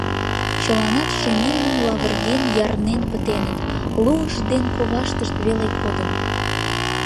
Чыланат шемемын, лавырген, ярнен пытеныт, луышт ден коваштышт веле кодын.